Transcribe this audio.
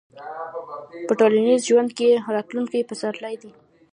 په ټولنیز ژوند کې راتلونکي پسرلي دي.